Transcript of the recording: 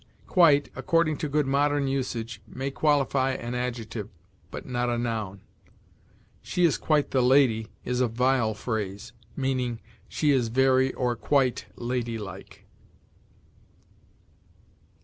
Quite, according to good modern usage, may qualify an adjective, but not a noun. "She is quite the lady," is a vile phrase, meaning, "She is very or quite ladylike."